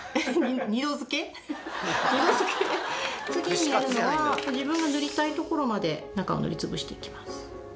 次にやるのは自分が塗りたいところまで中を塗りつぶしていきます。